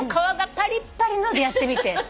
パリッパリのでやってみて。